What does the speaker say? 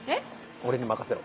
俺に任せろ。